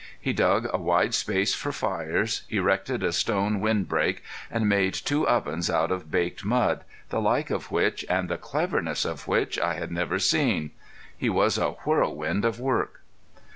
He dug a wide space for fires, erected a stone windbreak, and made two ovens out of baked mud, the like of which, and the cleverness of which I had never seen. He was a whirlwind for work.